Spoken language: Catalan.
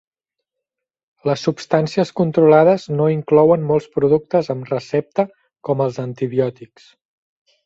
Les substàncies controlades no inclouen molts productes amb recepta com els antibiòtics.